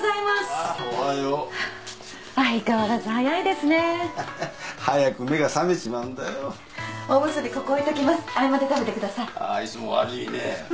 ああいつも悪いね。